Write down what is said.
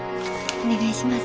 お願いします。